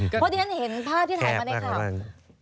เพราะฉะนั้นเห็นภาพที่ถ่ายมาได้ครับ